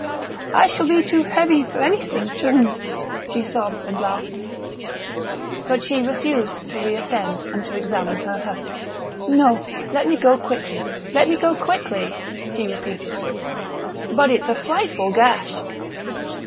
"I shall be too heavy for anything soon," she sobbed and laughed. But she refused to reascend and to examine her hurt. "No, let me go quickly let me go quickly," she repeated. "But it's a frightful gash!"